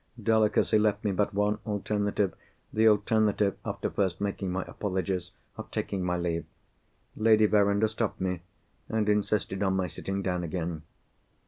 Delicacy left me but one alternative—the alternative, after first making my apologies, of taking my leave. Lady Verinder stopped me, and insisted on my sitting down again.